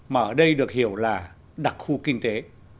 mà ở đây được hiểu là đặc khu kinh tế